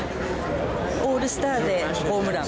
オールスターでホームラン。